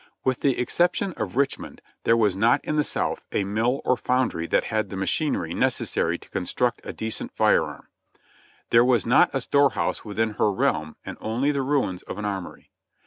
With the excep tion of Richmond, there was not in the South a mill or foundry that had the machinery necessary to construct a decent fire arm. Thepe was not a store house within her realm and only the ruins of an armory.